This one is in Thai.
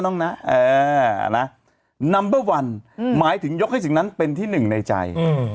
นัมเบอร์วันหมายถึงยกให้สิ่งนั้นเป็นที่หนึ่งในใจ